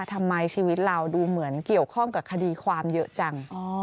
ทำไมชีวิตเราดูเหมือนเกี่ยวข้องกับคดีความเยอะจัง